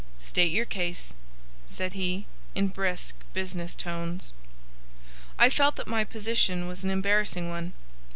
"State your case," said he, in brisk, business tones. I felt that my position was an embarrassing one.